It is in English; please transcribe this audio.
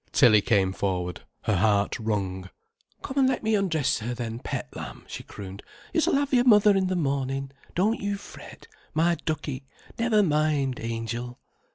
Tilly came forward, her heart wrung. "Come an' let me undress her then, pet lamb," she crooned. "You s'll have your mother in th' mornin', don't you fret, my duckie; never mind, angel."